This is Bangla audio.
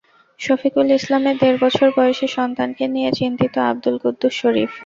শফিকুল ইসলামের দেড় বছর বয়সী সন্তানকে নিয়ে চিন্তিত আবদুল কুদ্দুস শরীফ।